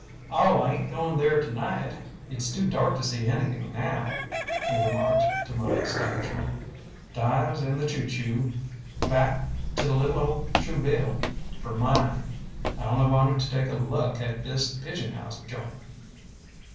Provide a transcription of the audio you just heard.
"Oh, I ain't goin' there t'night. It's too dark t' see anything now," he remarked, to my astonishment. "Dives and the choo choo back t' little ole Trouville f'r mine! I on'y wanted to take a LUK at this pigeon house joint."